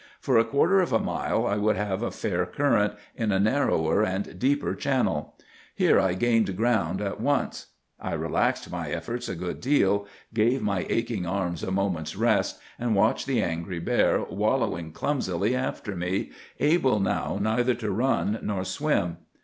For a quarter of a mile I would have a fair current, in a narrower and deeper channel. Here I gained ground at once. I relaxed my efforts a good deal, gave my aching arms a moment's rest, and watched the angry bear wallowing clumsily after me, able now neither to run nor swim.